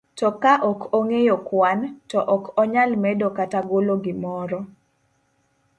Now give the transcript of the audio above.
To ka ok ong'eyo kwan, to ok onyal medo kata golo gimoro.